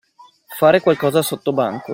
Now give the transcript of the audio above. Fare qualcosa sottobanco.